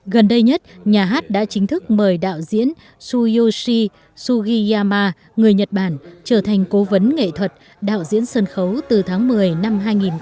gần đây nhất nhà hát đã chính thức mời đạo diễn suyoshi sugiyama người nhật bản trở thành cố vấn nghệ thuật đạo diễn sân khấu từ tháng một mươi năm hai nghìn một mươi